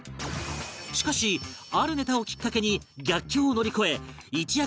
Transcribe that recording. しかしあるネタをきっかけに逆境を乗り越え一躍人気メンバーへ